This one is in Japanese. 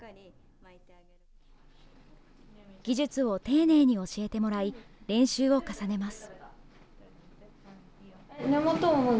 技術を丁寧に教えてもらい、練習を重ねます。